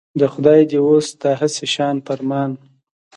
د خدای دی اوس دا هسي شان فرمان.